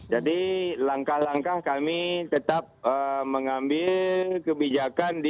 jadi langkah langkah kami tetap mengambil kebijakan